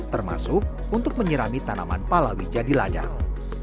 termasuk untuk menyirami tanaman palawija di ladang